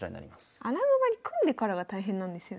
穴熊に組んでからが大変なんですよね。